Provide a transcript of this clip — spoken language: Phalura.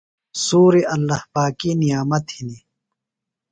سُوری اللّٰہ پاکی نعمت ہِنیۡ۔